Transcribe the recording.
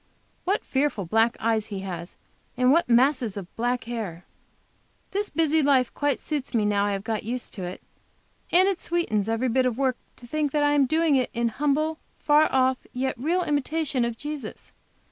What fearful black eyes he has, and what masses of black hair! This busy life quite suits me, now I have got used to it. And it sweetens every bit of work to think that I am doing it in humble, far off, yet real imitation of Jesus.